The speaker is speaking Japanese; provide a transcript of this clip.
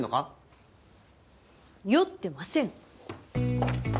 酔ってません！